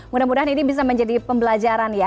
mudah mudahan ini bisa menjadi pembelajaran ya